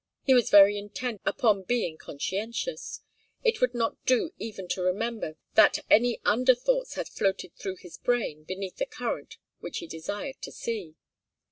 He was very intent upon being conscientious it would not do even to remember that any under thoughts had floated through his brain beneath the current which he desired to see.